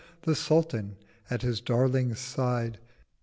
The Sultan at his Darling's side!